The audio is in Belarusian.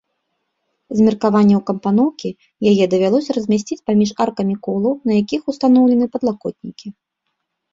З меркаванняў кампаноўкі яе давялося размясціць паміж аркамі колаў, на якіх устаноўлены падлакотнікі.